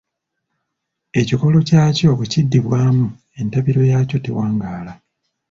Ekikolo kyakyo bwe kiddibwamu entabiro yaakyo tewaangaala.